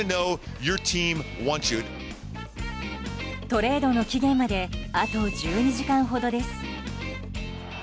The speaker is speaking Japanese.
トレードの期限まであと１２時間ほどです。